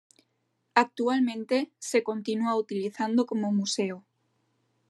Actualmente se continúa utilizando como museo.